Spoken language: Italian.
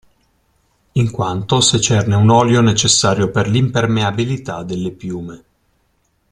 In quanto secerne un olio necessario per l'impermeabilità delle piume.